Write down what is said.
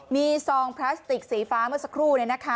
มีซองพลาสติกสีฟ้าเมื่อสักครู่